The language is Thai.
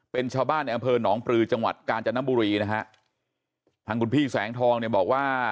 เป็นชาวบ้านในอำเภอหนองปลือจังหวัดกาญจนบุรีนะฮะทางคุณพี่แสงทองเนี่ยบอกว่า